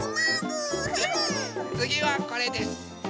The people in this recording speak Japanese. つぎはこれです。